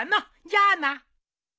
じゃあな。